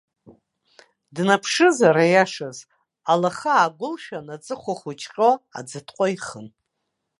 Днаԥшызар, аиашаз, алахы аагәылшәан, аҵыхәа хәыҷы ҟьо, аӡытҟәа ихын.